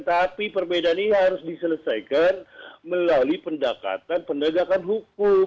tapi perbedaannya harus diselesaikan melalui pendekatan pendekatan hukum